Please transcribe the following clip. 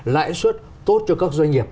lãi suất tốt cho các doanh nghiệp